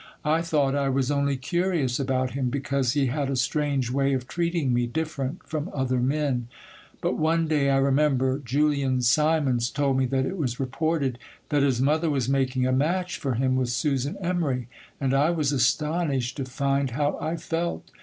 I thought I was only curious about him, because he had a strange way of treating me, different from other men; but, one day, I remember, Julian Simons told me that it was reported that his mother was making a match for him with Susan Emery, and I was astonished to find how I felt.